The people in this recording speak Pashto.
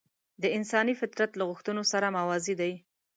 د انساني فطرت له غوښتنو سره موازي دي.